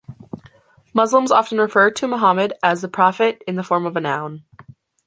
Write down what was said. Muslims often refer to Muhammad as "the prophet," in the form of a noun.